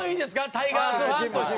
タイガースファンとして。